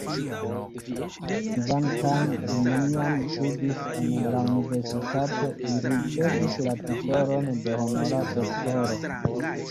Kvankam li neniam studis en universitato, li ricevis la titolon de honora doktoro.